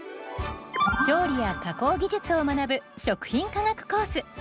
調理や加工技術を学ぶ食品科学コース。